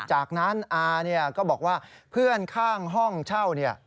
จากนั้นอาก็บอกว่าเพื่อนข้างห้องเช่า